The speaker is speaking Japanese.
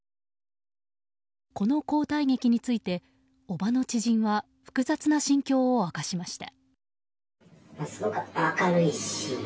この交代劇について叔母の知人は複雑な心境を明かしました。